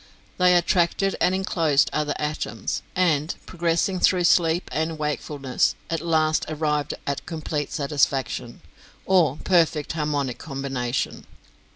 They attracted and enclosed other atoms, and, progressing through sleep and wakefulness, at last arrived at complete satisfaction, or perfect harmonic combination.